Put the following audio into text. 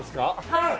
はい。